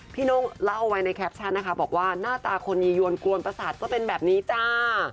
โน่งเล่าไว้ในแคปชั่นนะคะบอกว่าหน้าตาคนยียวนกวนประสาทก็เป็นแบบนี้จ้า